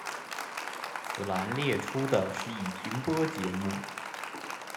此栏列出的是已停播节目。